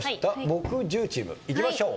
木１０チームいきましょう。